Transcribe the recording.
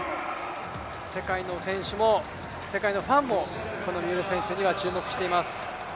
世界の選手も、世界のファンも三浦選手には注目しています。